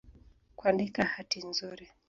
Kwandika hati nzuri